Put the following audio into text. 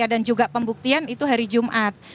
dan juga pembuktian itu hari jumat